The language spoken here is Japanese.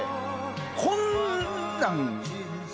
こんなん。